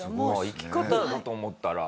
生き方だと思ったら。